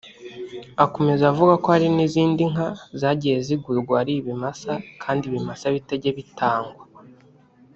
Akomeza avuga ko hari n’izindi nka zagiye zigurwa ari ibimasa kandi ibimasa bitajya bitangwa